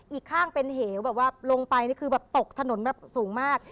อีกข้างเป็นเหวลงไปนี่คือตกถนนสูงมาก